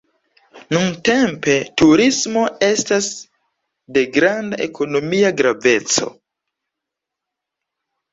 Nuntempe turismo estas de granda ekonomia graveco.